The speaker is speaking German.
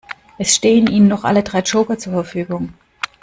Es stehen Ihnen noch alle drei Joker zur Verfügung.